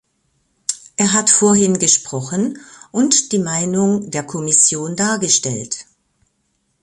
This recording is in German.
Er hat vorhin gesprochen und die Meinung der Kommission dargestellt.